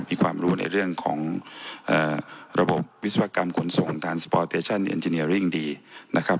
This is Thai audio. และมีความรู้ในเรื่องของเอ่อระบบวิศวกรรมขนส่งดีนะครับ